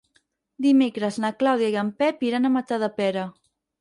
Dimecres na Clàudia i en Pep iran a Matadepera.